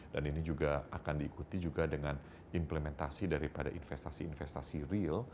dan ini juga akan diikuti juga dengan implementasi daripada investasi investasi real